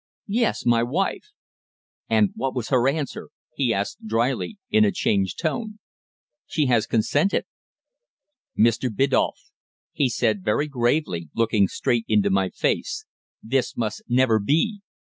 "Yes, my wife." "And what was her answer?" he asked dryly, in a changed tone. "She has consented." "Mr. Biddulph," he said very gravely, looking straight into my face, "this must never be!